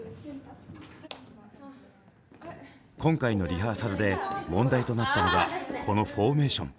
今回のリハーサルで問題となったのがこのフォーメーション。